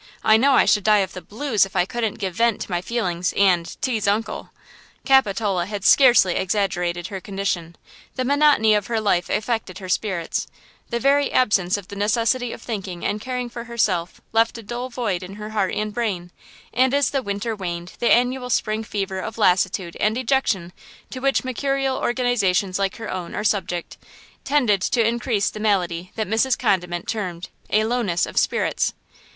I know I should die of the blues if I couldn't give vent to my feelings and–tease uncle!" Capitola had scarcely exaggerated her condition. The monotony of her life affected her spirits; the very absence of the necessity of thinking and caring for herself left a dull void in her heart and brain, and as the winter waned the annual spring fever of lassitude and dejection to which mercurial organizations like her own are subject, tended to increase the malady that Mrs. Condiment termed "a lowness of spirits."